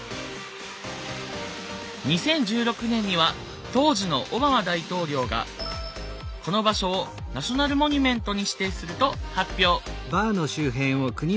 ２０１６年には当時のオバマ大統領がこの場所をナショナル・モニュメントに指定すると発表。